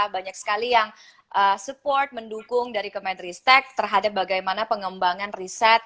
banyak sekali yang support mendukung dari kemenristek terhadap bagaimana pengembangan riset